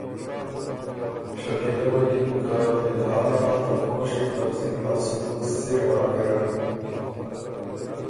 شکیلۀ غوېکِن که فی الحاله خه ته خوشيې ته خسِر ا سلوک سِر هۀ ګیرډ